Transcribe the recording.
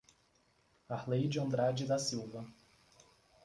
Arleide Andrade da Silva